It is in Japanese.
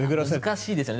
難しいですよね。